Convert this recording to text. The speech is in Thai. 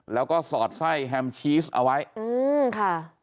แล้วก็สอดไส้แฮมชีสเอาไว้อืมค่ะ